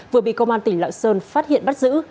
vừa bị công an tỉnh lạng sơn phát hiện bắt giữ